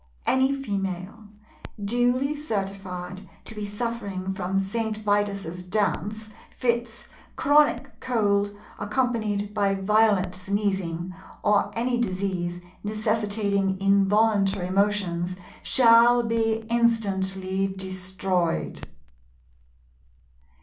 Any Female, duly certified to be suffering from St. Vitus's Dance, fits, chronic cold accompanied by violent sneezing, or any disease necessitating involuntary motions, shall be instantly destroyed.